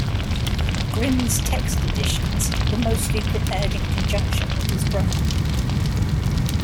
Grimm's text-editions were mostly prepared in conjunction with his brother.